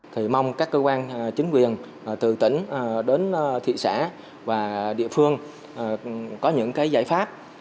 thì mong các cơ quan chính quyền từ tỉnh đến thị xã và địa phương có những cái giải pháp